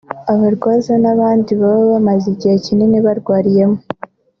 abarwaza n’abandi baba bamaze igihe kinini barwariyemo